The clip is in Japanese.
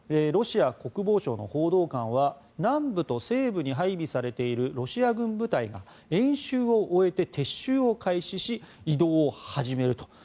ロシア国防省の報道官は南部と西部に配備されているロシア軍部隊が演習を終えて撤収を開始し、移動を始めると。